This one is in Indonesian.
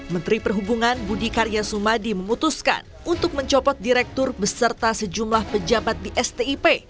menteri perhubungan budi karya sumadi memutuskan untuk mencopot direktur beserta sejumlah pejabat di stip